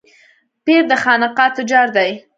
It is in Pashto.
پير د خانقاه تجار دی.